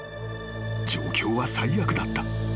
［状況は最悪だった。